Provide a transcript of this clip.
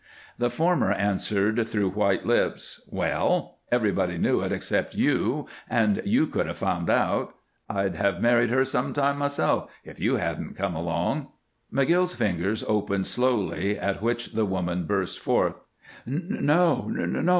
The former answered through white lips: "Well? Everybody knew it except you, and you could have found out. I'd have married her sometime, myself, if you hadn't come along." McGill's fingers opened slowly, at which the woman burst forth: "No, no!